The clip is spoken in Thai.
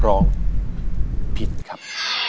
ร้องผิดครับ